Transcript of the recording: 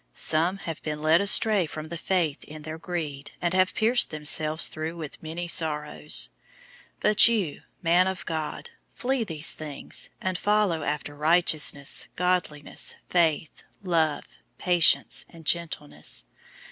Some have been led astray from the faith in their greed, and have pierced themselves through with many sorrows. 006:011 But you, man of God, flee these things, and follow after righteousness, godliness, faith, love, patience, and gentleness.